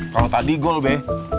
kalau tadi gol be